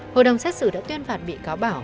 hội đồng xét xử đã tuyên phạt bị cáo bảo